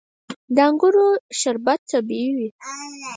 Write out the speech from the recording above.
د انګورو شربت طبیعي وي.